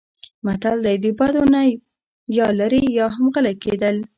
متل دی: د بدو نه یا لرې یا هم غلی کېدل.